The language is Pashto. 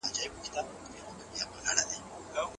په دې تعریف کي ځینو ټکو ته پام سوی دی.